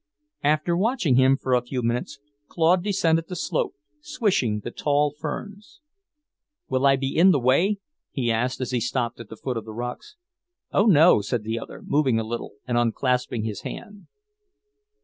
After watching him for a few minutes, Claude descended the slope, swishing the tall ferns. "Will I be in the way?" he asked as he stopped at the foot of the rocks. "Oh, no!" said the other, moving a little and unclasping his hand.